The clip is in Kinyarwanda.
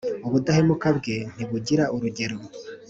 ubudahemuka bwe ntibugira urugero!